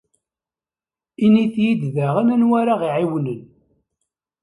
Init-iyi-d daɣen anwa ara ɣ-iɛiwnen.